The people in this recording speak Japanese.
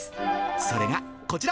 それがこちら。